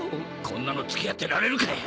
こんなの付き合ってられるか。